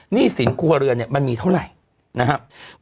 หนี้สินครัวเรือนเนี่ยมันมีเท่าไหร่นะครับ